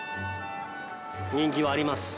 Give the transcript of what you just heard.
人気はあります。